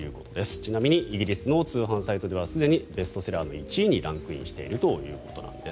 ちなみにイギリスの通販サイトではすでにベストセラーの１位にランクインしているということです。